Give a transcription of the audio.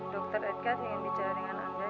dr edgar ingin bicara dengan anda